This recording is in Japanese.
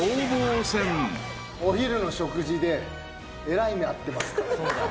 お昼の食事でえらい目遭ってますから。